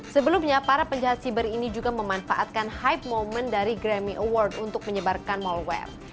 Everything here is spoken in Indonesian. sebelumnya para penjahat siber ini juga memanfaatkan hype moment dari grammy award untuk menyebarkan malware